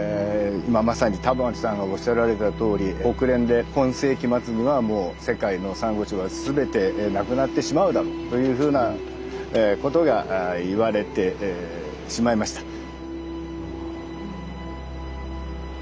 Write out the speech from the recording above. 今まさにタモリさんがおっしゃられたとおり国連で今世紀末にはもう世界のサンゴ礁は全てなくなってしまうだろうというふうなことが言われてしまいました。